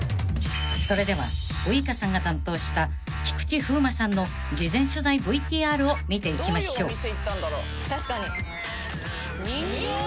［それではウイカさんが担当した菊池風磨さんの事前取材ＶＴＲを見ていきましょう］